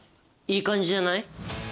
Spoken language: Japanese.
いい感じじゃない？